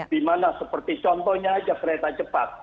dimana seperti contohnya aja kereta cepat